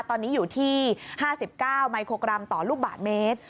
ตอนนี้อยู่ที่๕๙ไมโครกรัมต่อลูกบาทเมตร